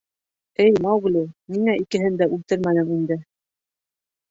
Эй, Маугли, ниңә икеһен дә үлтермәнең инде?!